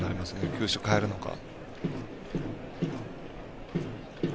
球種変えるのか。